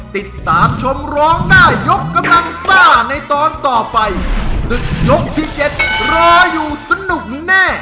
ติดตามชมร้องได้ยกกำลังซ่าในตอนต่อไปศึกยกที่เจ็ดรออยู่สนุกแน่